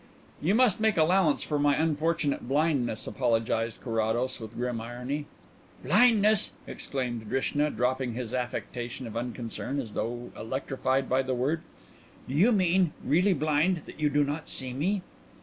"You must make allowance for my unfortunate blindness," apologized Carrados, with grim irony. "Blindness!" exclaimed Drishna, dropping his affectation of unconcern as though electrified by the word, "do you mean really blind that you do not see me?"